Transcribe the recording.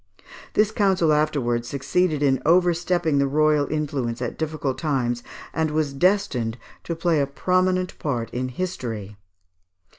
This council afterwards succeeded in overstepping the royal influence at difficult times, and was destined to play a prominent part in history.